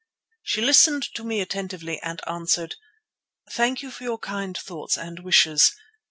She listened to me attentively and answered: "Thank you for your kind thoughts and wishes.